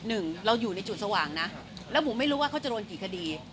หนึ่งเราอยู่ในจุดสว่างนะแล้วผมไม่รู้ว่าเขาจะโดนกี่คดี